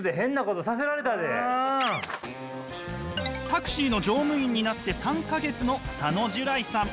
タクシーの乗務員になって３か月の佐野寿來さん。